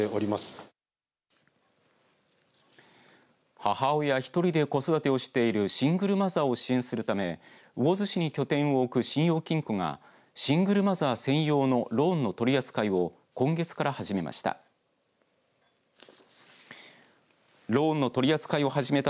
母親１人で子育てをしているシングルマザーを支援するため魚津市に拠点を置く信用金庫がシングルマザー専用のローンの取り扱いを今月から始めました。